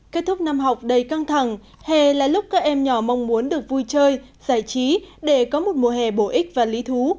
kết thúc năm học đầy căng thẳng hè là lúc các em nhỏ mong muốn được vui chơi giải trí để có một mùa hè bổ ích và lý thú